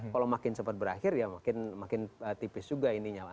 kalau makin cepat berakhir ya makin tipis juga ininya lah